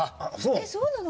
えっそうなの？